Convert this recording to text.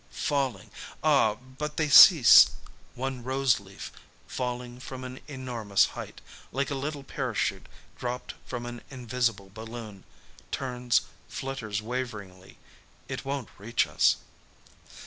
Falling. Ah, but they cease. One rose leaf, falling from an enormous height, like a little parachute dropped from an invisible balloon, turns, flutters waveringly. It won't reach us.